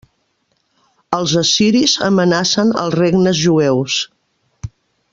Els assiris amenacen als regnes jueus.